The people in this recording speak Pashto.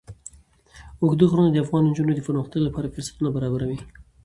اوږده غرونه د افغان نجونو د پرمختګ لپاره فرصتونه برابروي.